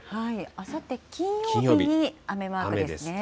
あさって金曜日に雨マークですね。